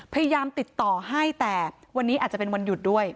พยายามติดต่อให้แต่วันนี้อาจจะเป็นวันหยุดด้วย